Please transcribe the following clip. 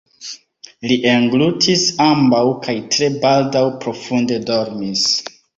Li englutis ambaŭ kaj tre baldaŭ profunde dormis.